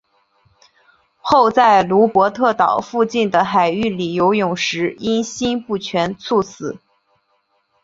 后在卢帕德岛附近的海域里游泳时因心不全猝死。